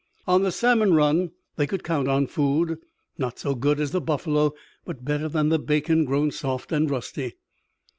On the salmon run they could count on food, not so good as the buffalo, but better than bacon grown soft and rusty.